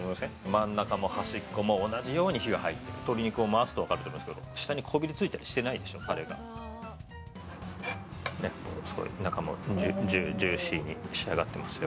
真ん中も端っこも同じように火が入る鶏肉を回すとわかると思いますけど下にこびりついたりしてないでしょタレがすごい中もジューシーに仕上がってますよ